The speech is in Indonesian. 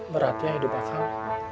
beratnya hidup asalnya